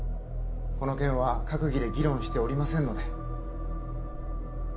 この件は閣議で議論しておりませんので。